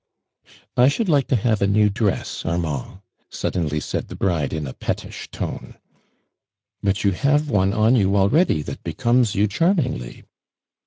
" I should hke to have anew dress, Ar mand," suddenly said the bride in a pet tish tone. " But you have one on you already that becomes you charmingly."